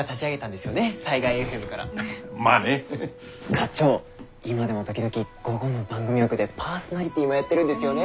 課長今でも時々午後の番組枠でパーソナリティーもやってるんですよね。